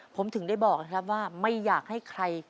ผมถึงได้บอกนะครับว่าไม่อยากให้ใคร